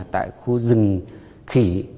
tại khu rừng khỉ